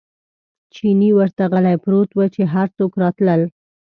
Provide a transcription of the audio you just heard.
چیني ورته غلی پروت و، چې هر څوک راتلل.